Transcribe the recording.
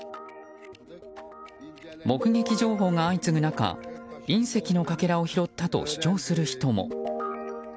目撃情報が相次ぐ中、隕石のかけらを拾ったと主張する人も。